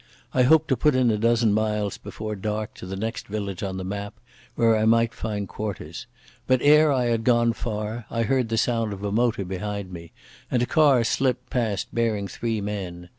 I hoped to put in a dozen miles before dark to the next village on the map, where I might find quarters. But ere I had gone far I heard the sound of a motor behind me, and a car slipped past bearing three men.